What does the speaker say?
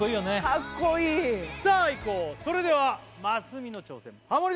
かっこいいさあいこうそれではますみの挑戦ハモリ